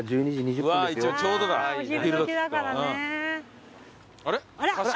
お昼時だからね。